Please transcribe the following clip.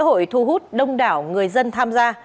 chơi lễ hội thu hút đông đảo người dân tham gia